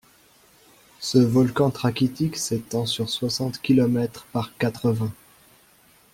Ce volcan trachytique s'étend sur soixante kilomètres par quatre-vingts.